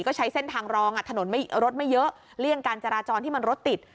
ก็ใช้เส้นทางรองถนนรถไม่เยอะเลี่ยงการจราจรที่มันรถติด